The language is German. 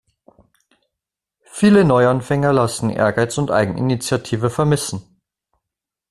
Viele Neuanfänger lassen Ehrgeiz und Eigeninitiative vermissen.